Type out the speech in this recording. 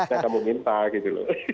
saya kamu minta gitu loh